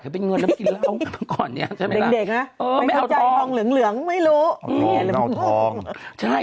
ให้เป็นเงินแล้วกินแล้วก่อนนี้จะเป็นเด็กนะไม่เอาทองเหลืองไม่รู้เอาทองใช่